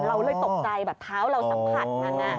เราเลยตกใจแบบเท้าเราสัมผัสมัน